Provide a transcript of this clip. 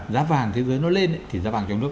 giá vàng thế giới nó lên thì giá vàng trong nước